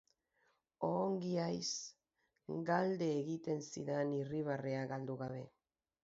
Ongi haiz? Galde egiten zidan irribarrea galdu gabe.